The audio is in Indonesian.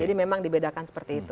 jadi memang dibedakan seperti itu